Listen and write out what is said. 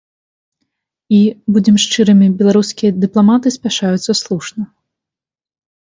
І, будзем шчырымі, беларускія дыпламаты спяшаюцца слушна.